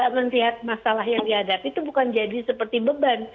melihat masalah yang dihadapi itu bukan jadi seperti beban